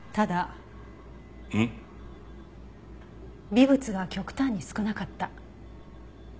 微物が極端に少なかった。